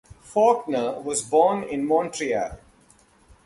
Faulkner was born in Montreal.